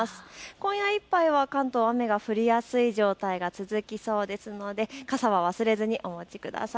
今夜いっぱいは関東、雨が降りやすい状態が続きそうですので傘は忘れずにお持ちください。